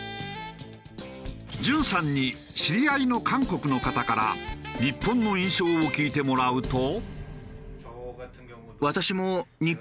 ＪＵＮさんに知り合いの韓国の方から日本の印象を聞いてもらうと。